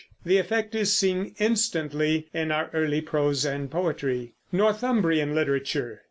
The effect is seen instantly in our early prose and poetry. NORTHUMBRIAN LITERATURE.